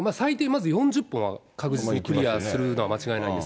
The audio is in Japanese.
まず４０本は確実にクリアするのは間違いないです。